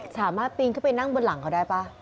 ถามมาปีนเขาไปนั่งบนหลังเขาได้ป่ะ